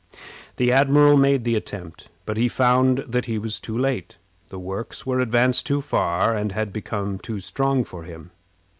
The admiral made the attempt, but he found that he was too late. The works were advanced too far, and had become too strong for him.